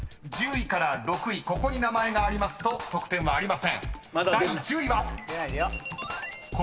［１０位から６位ここに名前がありますと得点はありません］